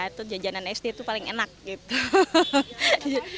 atau jajanan sd itu paling enak gitu